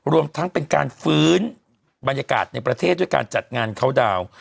รวมทั้งเป็นการฟื้นบรรยากาศในประเทศด้วยการจัดงานเข้าดาวน์